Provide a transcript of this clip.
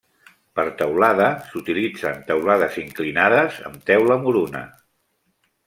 Per teulada, s'utilitzen teulades inclinades amb teula moruna.